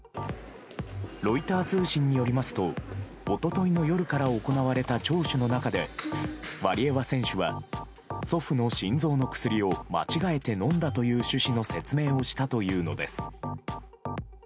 ロイター通信によりますと一昨日の夜から行われた聴取の中でワリエワ選手は祖父の心臓の薬を間違えて飲んだという趣旨の説明をしたというのです。